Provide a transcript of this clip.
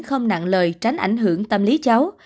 không nặng lời tránh ảnh hưởng tâm lý cháu